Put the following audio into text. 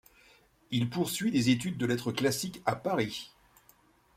Il poursuit des études de lettres classiques à Paris.